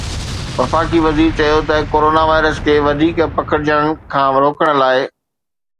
وفاقي وزير چيو ته ڪورونا وائرس کي وڌيڪ پکڙجڻ کان روڪڻ لاءِ…